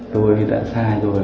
tôi đã sai rồi